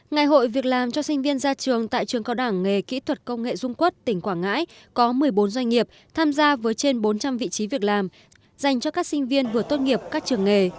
ngày hội việc làm cho sinh viên ra trường tại trường cao đảng nghề kỹ thuật công nghệ dung quốc tỉnh quảng ngãi có một mươi bốn doanh nghiệp tham gia với trên bốn trăm linh vị trí việc làm dành cho các sinh viên vừa tốt nghiệp các trường nghề